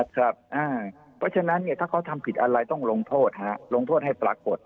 เพราะฉะนั้นถ้าเขาทำผิดอะไรต้องลงโทษลงโทษให้ปรากฏ